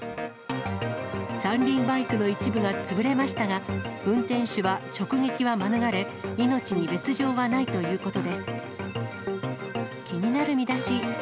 三輪バイクの一部が潰れましたが、運転手は直撃は免れ、命に別状はないということです。